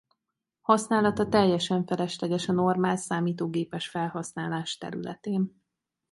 Használata teljesen felesleges a normál számítógépes felhasználás területén.